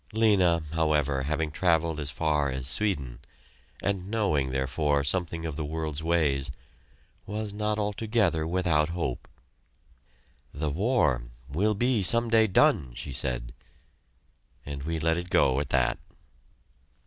Lena, however, having travelled as far as Sweden, and knowing, therefore, something of the world's ways, was not altogether without hope. "The war will be some day done!" she said and we let it go at that.